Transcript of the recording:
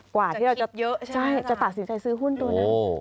กว่าที่เราจะเยอะใช่ไหมใช่จะตัดสินใจซื้อหุ้นตัวนั้น